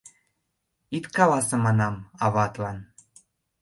Ит каласе, манам, аватлан!